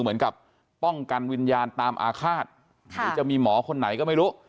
เหมือนกับป้องกันวิญญาณตามอาฆาตหรือจะมีหมอคนไหนก็ไม่รู้